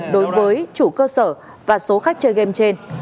đối với chủ cơ sở và số khách chơi game trên